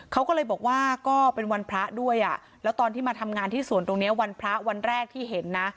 เขาก็เลยบอกว่าก็เป็นวันพระด้วยอ่ะแล้วตอนที่มาทำงานที่สวนตรงนี้วันพระวันแรกที่เห็นนะ